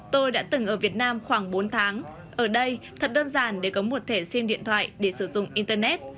tôi đã từng ở việt nam khoảng bốn tháng ở đây thật đơn giản để có một thẻ sim điện thoại để sử dụng internet